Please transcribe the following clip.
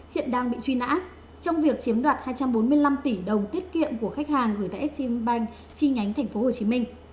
hiện đang bị truy nã trong việc chiếm đoạt hai trăm bốn mươi năm tỷ đồng tiết kiệm của khách hàng gửi tại exim bank chi nhánh tp hcm